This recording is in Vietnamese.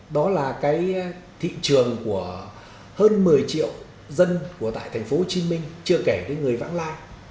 đó là cái thị trường của hơn một mươi triệu dân tại thành phố hồ chí minh chưa kể cái người vãng lai